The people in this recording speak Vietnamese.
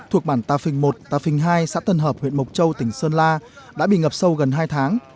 thuộc bản tà phình i tà phình hai xã tân hợp huyện mộc châu tỉnh sơn la đã bị ngập sâu gần hai tháng